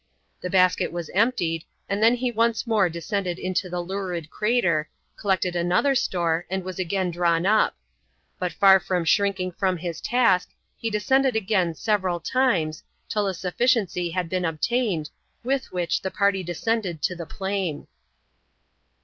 The basket was emptied, and then he once more descended into the lurid crater, collected another store and was again drawn up; but far from shrinking from his task, he descended again several times, till a sufficiency had been obtained, with which the party descended to the plain.